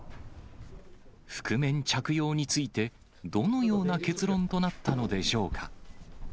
覆面着用について、どのような結論となったのでしょうか。